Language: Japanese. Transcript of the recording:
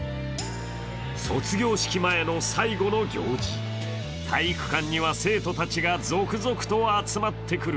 卒業式前の最後の行事、体育館には生徒たちが続々と集まってくる。